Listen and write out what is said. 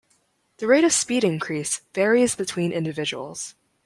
The rate of speed increase varies between individuals.